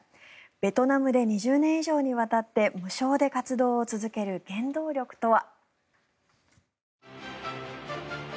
ベトナムで２０年以上にわたって無償で活動を続ける原動力とは。